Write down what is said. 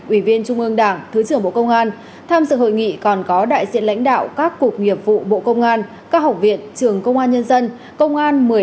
ủy viên trung ương đảng thứ trưởng bộ công an